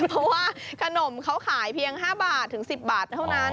เพราะว่าขนมเขาขายเพียง๕บาทถึง๑๐บาทเท่านั้น